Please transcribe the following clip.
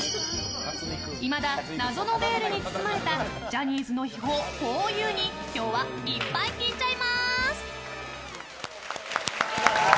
いまだ謎のベールに包まれたジャニーズの秘宝ふぉゆに今日はいっぱい聞いちゃいます！